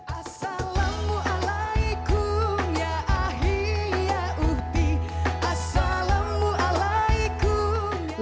assalamualaikum ya ahli ya uhdi assalamualaikum ya ahli ya uhdi